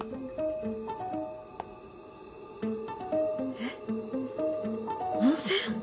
えっ温泉！？